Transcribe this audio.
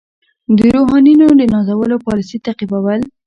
د روحانیونو د نازولو پالیسي تعقیبول.